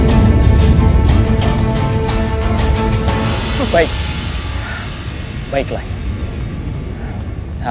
kenapa ia ada di tempat ini